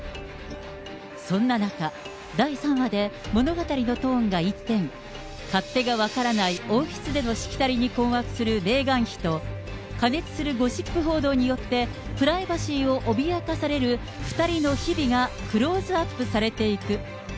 そんな中、第３話で物語のトーンが一転、勝手が分からない王室でのしきたりに困惑するメーガン妃と、過熱するゴシップ報道によってプライバシーを脅かされる２人の日々がクローズアップされていく。